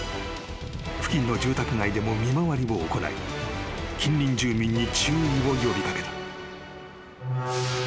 ［付近の住宅街でも見回りを行い近隣住民に注意を呼び掛けた］